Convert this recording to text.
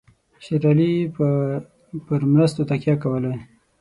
شېر علي به پر مرستو تکیه کولای.